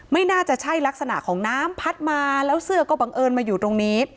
ไม่น่าจะใช่ลักษณะของน้ำพัดมาแล้วเสื้อก็บังเอิญมาอยู่ตรงนี้